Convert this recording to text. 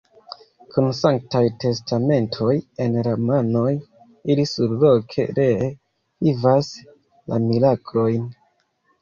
Kun sanktaj testamentoj en la manoj, ili surloke ree vivas la miraklojn.